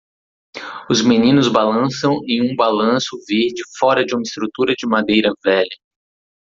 Os meninos balançam em um balanço verde fora de uma estrutura de madeira velha.